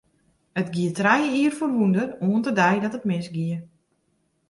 It gie trije jier foar wûnder, oant de dei dat it misgie.